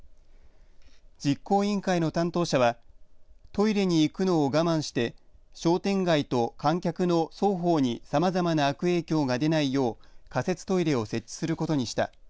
実行委員会の担当者はトイレに行くのを我慢して商店街と観客の双方にさまざまな悪影響が出ないよう仮設トイレを設置することにした。